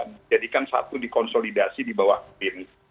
menjadikan satu dikonsolidasi di bawah kiri